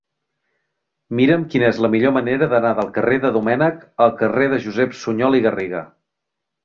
Mira'm quina és la millor manera d'anar del carrer de Domènech al carrer de Josep Sunyol i Garriga.